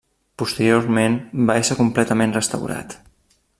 Posteriorment va ésser completament restaurat.